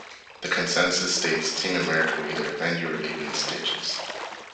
The consensus states, "Team America" will either offend you or leave you in stitches.